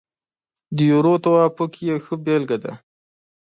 د یورو توافق یې ښه بېلګه ده.